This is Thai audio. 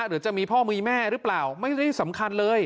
หรือจะมีพ่อมีแม่หรือเปล่าไม่ได้สำคัญเลย